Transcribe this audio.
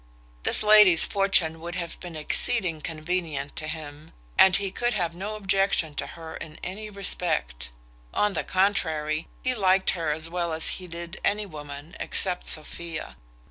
This lady's fortune would have been exceeding convenient to him, and he could have no objection to her in any respect. On the contrary, he liked her as well as he did any woman except Sophia.